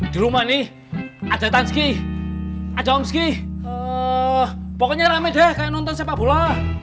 di rumah nih ada tanski ajomski pokoknya rame deh kayak nonton sepak bola